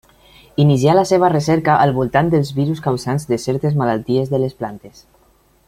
Inicià la seva recerca al voltant dels virus causants de certes malalties de les plantes.